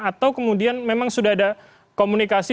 atau kemudian memang sudah ada komunikasi